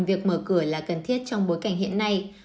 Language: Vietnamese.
việc mở cửa là cần thiết trong bối cảnh hiện nay